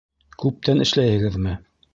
— Күптән эшләйһегеҙме?